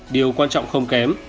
điều quan trọng không kém